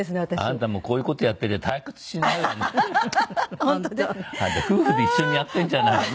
あなた夫婦で一緒にやっているんじゃないの？